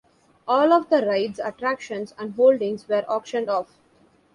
All of the rides, attractions, and holdings were auctioned off.